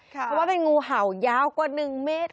เขาว่าเป็นงูเห่ายาวกว่าหนึ่งเมตร